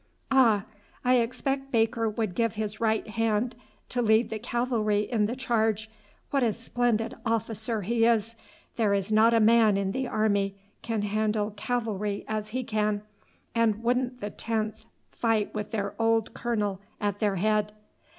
"Ah! I expect Baker would give his right hand to lead the cavalry in the charge. What a splendid officer he is! There is not a man in the army can handle cavalry as he can; and wouldn't the 10th fight with their old colonel at their head!"